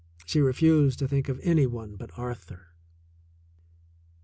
She refused to think of any one but Arthur.